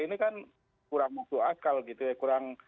ini kan kurang masuk akal gitu ya kurang